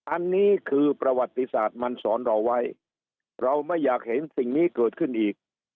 อันนี้คือประวัติศาสตร์มันสอนเราไว้เราไม่อยากเห็นสิ่งนี้เกิดขึ้นอีก